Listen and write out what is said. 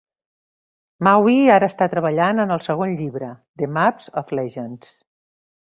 Mawi ara està treballant en el segon llibre: "The Map of Legends".